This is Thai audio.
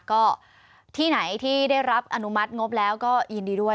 ก็ที่ไหนที่ได้รับอนุมัติงบแล้วก็ยินดีด้วย